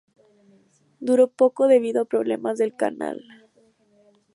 Duró poco debido a problemas del canal.